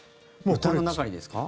歌の中にですか？